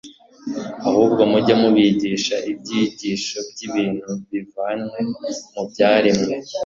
ahubwo mujye mubigisha ibyigisho by'ibintu bivanywe mu byaremwe,